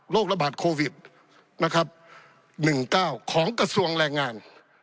โรคระบาดโควิด๑๙ของกระทรวงแรงงาน